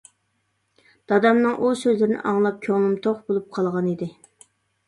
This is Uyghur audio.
دادامنىڭ ئۇ سۆزلىرىنى ئاڭلاپ كۆڭلۈم توق بولۇپ قالغانىدى.